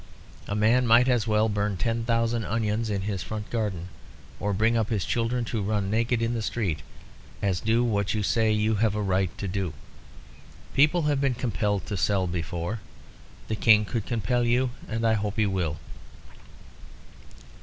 A man might as well burn ten thousand onions in his front garden or bring up his children to run naked in the street, as do what you say you have a right to do. People have been compelled to sell before now. The King could compel you, and I hope he will."